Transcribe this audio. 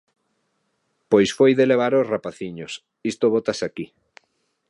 Pois foi de levar os rapaciños: isto bótase aquí.